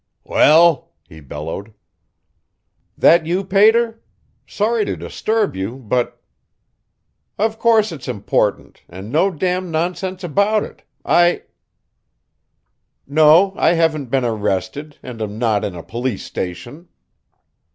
"Well?" he bellowed. That you, pater sorry to disturb you, but Of course it's important and no damn nonsense about it, I No, I haven't been arrested and am not in a police station.